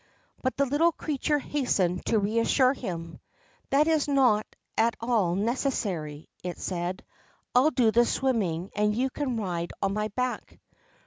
But the little creature hastened to reassure him. 'That's not at all necessary,' it said. 'I'll do the swimming and you can ride on my back.'